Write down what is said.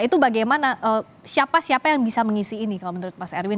itu bagaimana siapa siapa yang bisa mengisi ini kalau menurut mas erwin